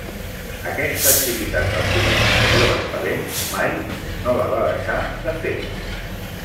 Aquesta activitat del foment de joves talents mai no la va deixar de fer.